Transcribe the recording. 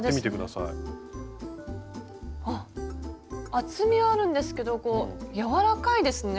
あっ厚みはあるんですけどこう柔らかいですね！